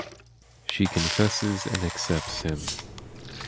She confesses and accepts him.